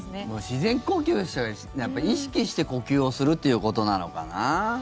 自然呼吸して意識して呼吸をするってことなのかな。